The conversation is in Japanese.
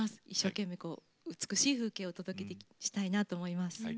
一生懸命、美しい風景を届けていきたいなと思います。